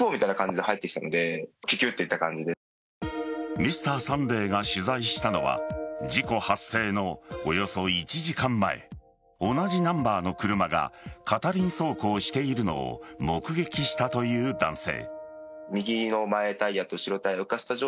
「Ｍｒ．サンデー」が取材したのは事故発生のおよそ１時間前同じナンバーの車が片輪走行しているのを目撃したという男性。